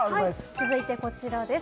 続いてこちらです。